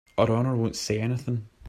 Her Honor won't say anything.